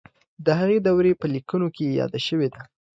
د هغې دورې په لیکنو کې یاده شوې ده.